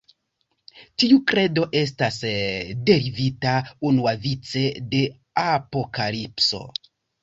Tiu kredo estas derivita unuavice de Apokalipso.